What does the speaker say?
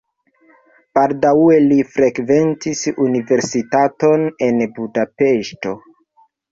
Baldaŭe li frekventis universitaton en Budapeŝto.